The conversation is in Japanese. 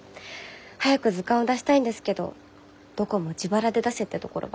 早く図鑑を出したいんですけどどこも自腹で出せってところばかりで。